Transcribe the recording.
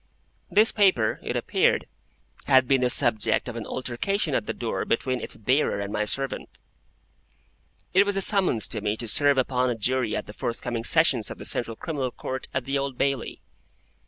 This paper, it appeared, had been the subject of an altercation at the door between its bearer and my servant. It was a summons to me to serve upon a Jury at the forthcoming Sessions of the Central Criminal Court at the Old Bailey.